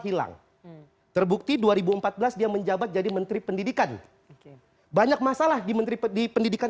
hilang terbukti dua ribu empat belas dia menjabat jadi menteri pendidikan oke banyak masalah di menteri pendidikan